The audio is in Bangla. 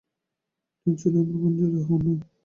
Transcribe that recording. ঝঞ্ঝনিয়া আমার পঞ্জরে হানো।